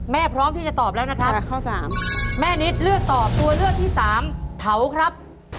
พร้อมที่จะตอบแล้วนะครับข้อสามแม่นิดเลือกตอบตัวเลือกที่สามเถาครับ